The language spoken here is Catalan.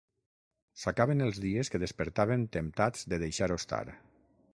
S'acaben els dies que despertàvem temptats de deixar-ho estar.